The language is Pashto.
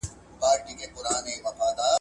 زړه مي ستا سره پیوند وي زه او ته اوسو جانانه ..